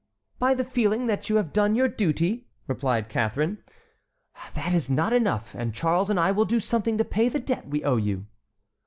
"By the feeling that you have done your duty?" replied Catharine. "That is not enough, and Charles and I will do something to pay the debt we owe you."